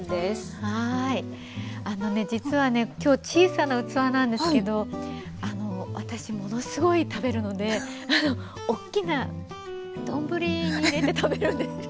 あのね実はね今日小さな器なんですけど私ものすごい食べるのでおっきな丼に入れて食べるんですよ。